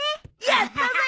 やったぜ！